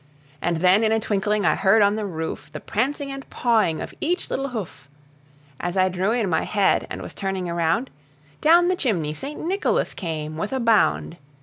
And then, in a twinkling, I heard on the roof The prancing and pawing of each little hoof. As I drew in my head, and was turning around, Down the chimney St. Nicholas came with a bound.